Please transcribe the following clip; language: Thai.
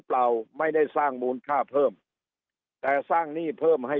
เปล่าไม่ได้สร้างมูลค่าเพิ่มแต่สร้างหนี้เพิ่มให้